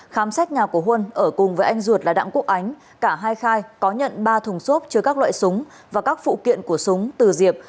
khám xét nhà của huân ở cùng với anh ruột là đặng quốc ánh cả hai khai có nhận ba thùng xốp chứa các loại súng và các phụ kiện của súng từ diệp